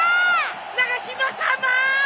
長嶋さま！